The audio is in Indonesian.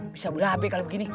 bisa berapa kalau begini